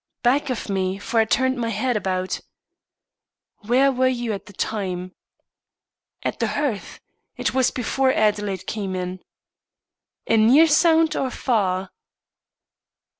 "Back of me, for I turned my head about." "Where were you at the time?" "At the hearth. It was before Adelaide came in." "A near sound, or a far?"